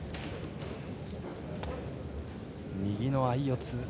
右の相四つ。